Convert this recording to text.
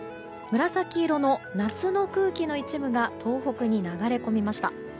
紫色の夏の空気の一部が東北に流れ込みました。